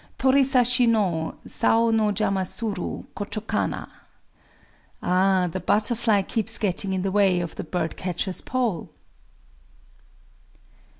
_] Torisashi no Sao no jama suru Kochō kana! [_Ah, the butterfly keeps getting in the way of the bird catcher's pole!